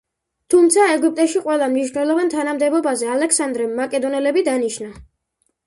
თუმცა ეგვიპტეში ყველა მნიშვნელოვან თანამდებობაზე ალექსანდრემ მაკედონელები დანიშნა.